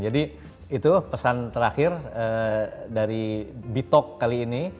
jadi itu pesan terakhir dari bitok kali ini